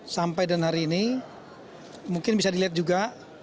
sampai dan hari ini mungkin bisa dilihat juga